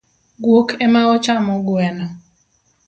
Guok emaochamo gweno.